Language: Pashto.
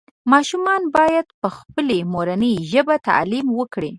ماشومان باید پخپلې مورنۍ ژبې تعلیم وکړي